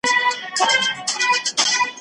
کډي باریږي مېني سوې توري